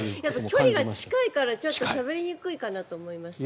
距離が近いからしゃべりにくいかなと思いましたけど。